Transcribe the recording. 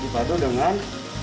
betul betul betul